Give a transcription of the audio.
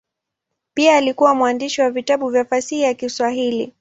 Pia alikuwa mwandishi wa vitabu vya fasihi ya Kiswahili.